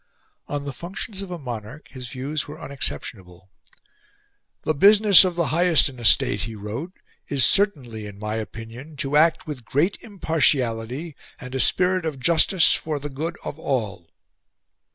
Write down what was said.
On the functions of a monarch, his views were unexceptionable. "The business of the highest in a State," he wrote, "is certainly, in my opinion, to act with great impartiality and a spirit of justice for the good of all."